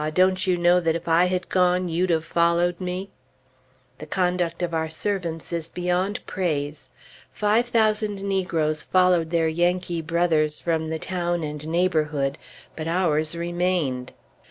Don't you know that if I had gone, you'd have followed me?" The conduct of all our servants is beyond praise. Five thousand negroes followed their Yankee brothers from the town and neighborhood; but ours remained.